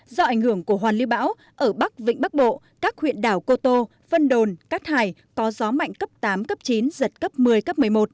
do ảnh hưởng của hoàn lưu bão ở bắc vịnh bắc bộ các huyện đảo cô tô vân đồn cát hải có gió mạnh cấp tám cấp chín giật cấp một mươi cấp một mươi một